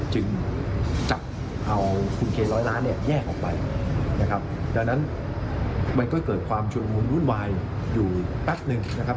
จึงจับเอาคุณเคนร้อยล้านเนี่ยแยกออกไปนะครับดังนั้นมันก็เกิดความชุดละมุนวุ่นวายอยู่แป๊บหนึ่งนะครับ